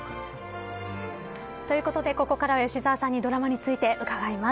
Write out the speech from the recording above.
ということで、ここからは吉沢さんにドラマについて伺います。